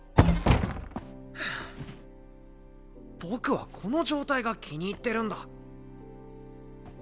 僕はこの状態が気に入ってるんだ。